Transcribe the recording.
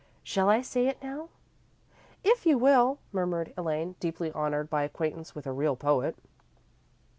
Shall I say it now?" "If you will," murmured Elaine, deeply honoured by acquaintance with a real poet.